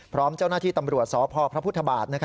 พร้อมเจ้านาที่ตำรวจสพพบ